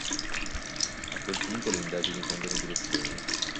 A questo punto le indagini cambiano direzione.